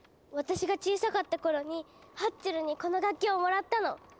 私が小さかった頃にハッチェルにこの楽器をもらったの。